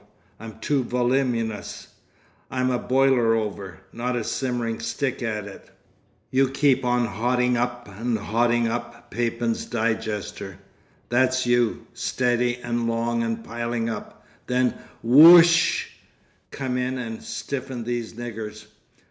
I'm too voluminous—I'm a boiler over, not a simmering stick at it._You_ keep on hotting up and hotting up. Papin's digester. That's you, steady and long and piling up,—then, wo oo oo oo osh. Come in and stiffen these niggers.